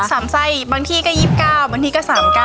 ๓ไส้บางที่ก็๒๙บางที่ก็๓๙